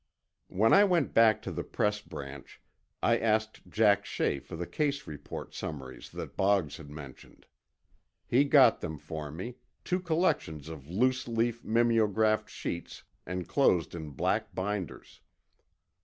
When I went back to the Press Branch, I asked Jack Shea for the case report summaries that Boggs had mentioned, He got them for me—two collections of loose leaf mimeographed sheets enclosed in black binders.